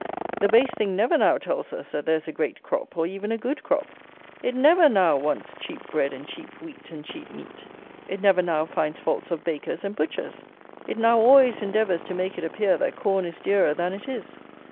The base thing never now tells us that there is a great crop or even a good crop. It never now wants cheap bread and cheap wheat and cheap meat. It never now finds fault of bakers and butchers. It now always endeavours to make it appear that corn is dearer than it is.